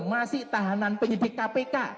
masih tahanan penyidik kpk